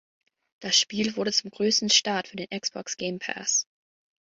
Das Spiel wurde zum größten Start für den Xbox Game Pass.